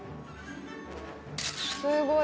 すごい。